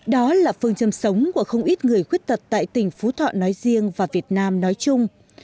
đó là phương châm sống của không ít người khuyết tật tại tỉnh phú thọ nói riêng và việt nam nói chung